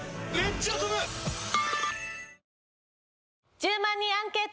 １０万人アンケート。